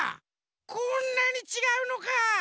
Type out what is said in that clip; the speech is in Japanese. こんなにちがうのか。